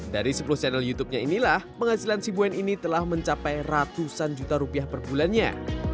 dari sepuluh channel youtubenya inilah penghasilan si boen ini telah mencapai ratusan juta rupiah per bulannya